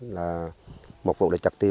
là một vụ là chặt tiêu